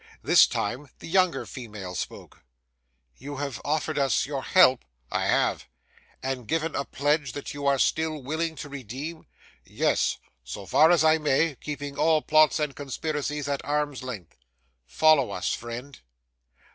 This time the younger female spoke. 'You have offered us your help?' 'I have.' 'And given a pledge that you are still willing to redeem?' 'Yes. So far as I may, keeping all plots and conspiracies at arm's length.' 'Follow us, friend.